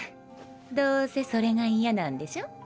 どうせそれがイヤなんでしょ？